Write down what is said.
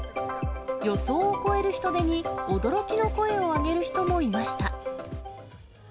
予想を超える人出に、驚きの声を上げる人もいました。